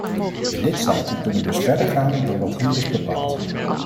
De lidstaten kunnen dus verdergaan dan wat hier is bepaald.